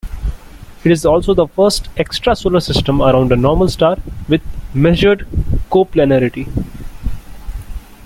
It is also the first extrasolar system around a normal star with measured coplanarity.